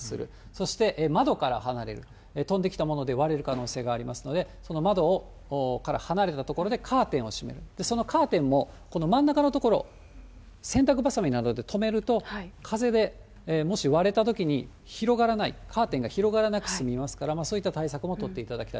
そして窓から離れる、飛んできたもので割れる可能性がありますので、その窓から離れた所でカーテンを閉める、そのカーテンもこの真ん中の所、洗濯ばさみなどで留めると、風でもし割れたときに、広がらない、カーテンが広がらなく済みますからそういった対策も取っていただ